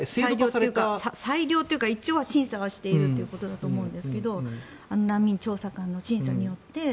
裁量というか、一応は審査されたものだと思うんですが難民調査官の審査によって。